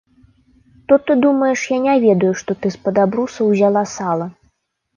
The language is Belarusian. То ты думаеш, я не ведаю, што ты з-пад абруса ўзяла сала?